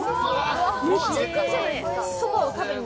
めっちゃ行ってるじゃないですか。